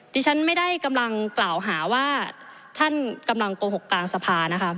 ที่ฉันไม่ได้กำลังกล่าวหาว่าท่านกำลังโกหกกลางสภานะคะ